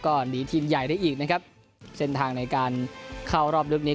ก็หนีทีมใหญ่ได้อีกนะครับเส้นทางในการเข้ารอบลึกนี้